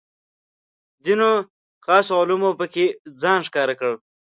ځینو خاصو علومو پکې ځان ښکاره کړ.